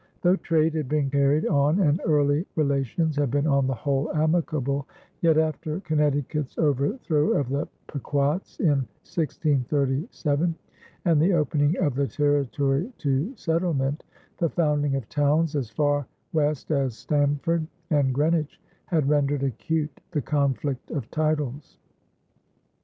Though trade had been carried on and early relations had been on the whole amicable, yet, after Connecticut's overthrow of the Pequots in 1637 and the opening of the territory to settlement, the founding of towns as far west as Stamford and Greenwich had rendered acute the conflict of titles.